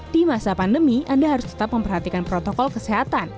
di masa pandemi anda harus tetap memperhatikan protokol kesehatan